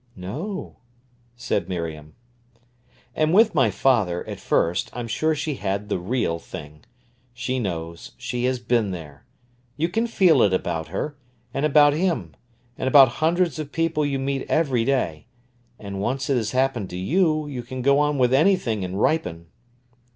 "No," said Miriam. "And with my father, at first, I'm sure she had the real thing. She knows; she has been there. You can feel it about her, and about him, and about hundreds of people you meet every day; and, once it has happened to you, you can go on with anything and ripen."